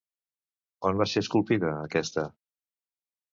On va ser esculpida, aquesta?